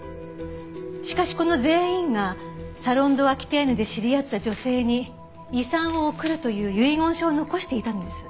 しかしこの全員がサロン・ド・アキテーヌで知り合った女性に遺産を贈るという遺言書を残していたんです。